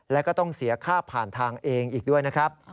แล้วก็ต้องเสียค่าผ่านทางเองอีกด้วยนะครับ